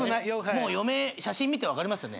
もう嫁写真見てわかりますよね？